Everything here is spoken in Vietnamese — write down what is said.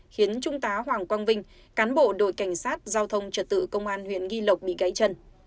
khiến trung tá hoàng quang vinh cán bộ đội cảnh sát giao thông trật tự công an huyện nghi lộc bị gãy chân